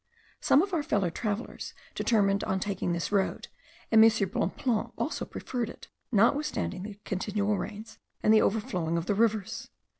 Some of our fellow travellers determined on taking this road, and M. Bonpland also preferred it, notwithstanding the continual rains and the overflowing of the rivers.